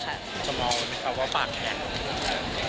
สมองคิดว่าปากนี้คืออะไร